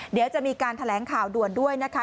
เดี๋ยวจะมีการแถลงข่าวด่วนด้วยนะคะ